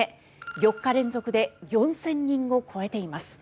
４日連続で４０００人を超えています。